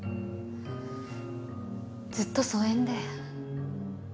ずっと疎遠で。